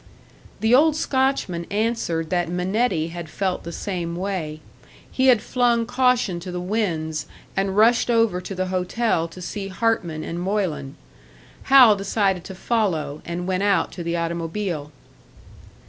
The old Scotchman answered that Minetti had felt the same way. He had flung caution to the winds, and rushed over to the hotel to see Hartman and Moylan. Hal decided to follow, and went out to the automobile.